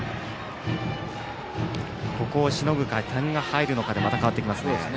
ここをしのぐか、点が入るのかでまた変わってきますね。